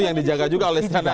yang dijaga juga oleh istana